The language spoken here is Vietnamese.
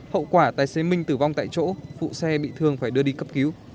hậu quả tài xế minh tử vong tại chỗ phụ xe bị thương phải đưa đi cấp cứu